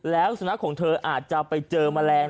แล้วสุนัขของเธออาจจะไปเจอแมลง